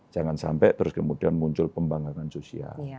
jangan sampai terus kemudian muncul pembangunan sosial